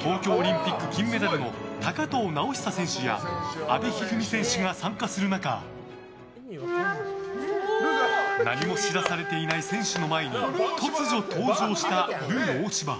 東京オリンピック金メダルの高藤直寿選手や阿部一二三選手が参加する中何も知らされていない選手の前に突如登場したルー大柴。